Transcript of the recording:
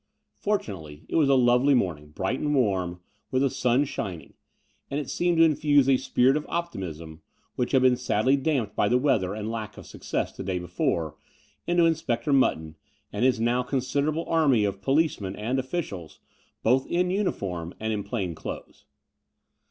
Fortunately, it was a lovely morning, bright and warm, with the sun shining; and it seemed to infuse a spirit of optimism, which had been sadly damped by the weather and lack of success the day before, into Inspector Mutton and his now considerable army of p6licemen and officials, both in uniform and in plain clothes.